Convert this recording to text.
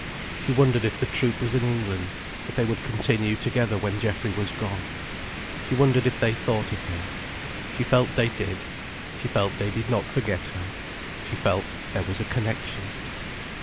She wondered if the troupe was in England: if they would continue together when Geoffrey was gone. She wondered if they thought of her. She felt they did. She felt they did not forget her. She felt there was a connection.